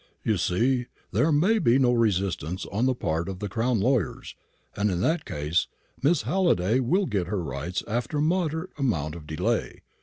"You see, there may be no resistance on the part of the Crown lawyers; and, in that case, Miss Halliday will get her rights after a moderate amount of delay.